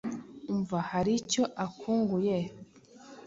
Wumva hari icyo akunguye?